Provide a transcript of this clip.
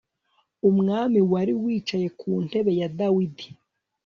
umwami wari wicaye ku ntebe ya Dawidi